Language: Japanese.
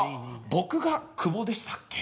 僕が久保でしたっけ？